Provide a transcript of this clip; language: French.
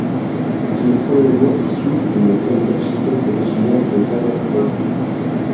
Il est probablement issu d'une famille d'architectes originaire de Varinfroy.